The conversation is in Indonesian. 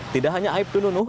tidak hanya aibtu nunuh